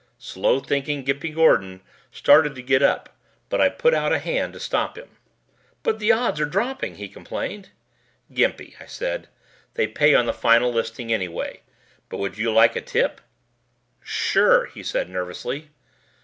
Slow thinking Gimpy Gordon started to get up but I put out a hand to stop him. "But the odds are dropping," he complained. "Gimpy," I said, "they pay on the final listing anyway. But would you like a tip?" "Sure," he said nervously.